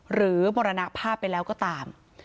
มรณภาพไปแล้วก็ตาม